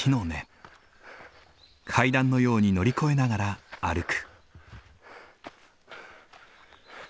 階段のように乗り越えながら歩く。